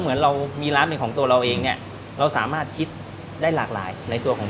เหมือนเรามีร้านเป็นของตัวเราเองเนี่ยเราสามารถคิดได้หลากหลายในตัวของ